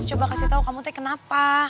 coba kasih tau kamu kena apa